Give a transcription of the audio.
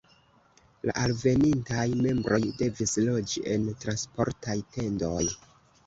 La alvenintaj membroj devis loĝi en transportaj tendoj.